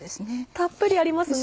たっぷりありますね。